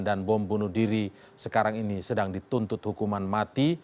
dan bom bunuh diri sekarang ini sedang dituntut hukuman mati